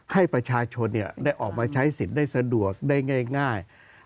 ให้ประชาชนเนี่ยได้ออกมาใช้สินได้สะดวกได้ง่าย